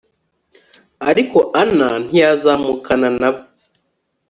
ariko ana ntiyazamukana na bo